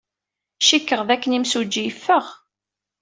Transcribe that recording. Cikkeɣ dakken imsujji yeffeɣ.